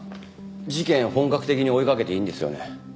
事件本格的に追いかけていいんですよね？